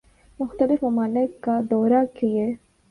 مختلف ممالک کا دورہ کیے